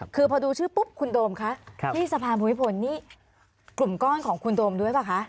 คุณโดมที่สัพพานภูมิภลนี่กลุ่มก้อนคุณโดมด้วยเปล่าคะ